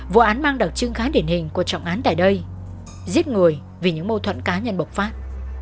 vụ án mang đặc trưng khá điển hình của trọng án tại đây giết người vì những mâu thuẫn cá nhân bộc phát